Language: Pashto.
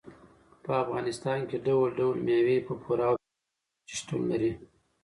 په افغانستان کې ډول ډول مېوې په پوره او پراخه کچه شتون لري.